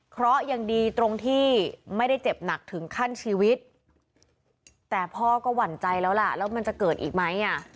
เพราะยังดีตรงที่ไม่ได้เจ็บหนักถึงขั้นชีวิตแต่พ่อก็หวั่นใจแล้วล่ะแล้วมันจะเกิดอีกไหมอ่ะ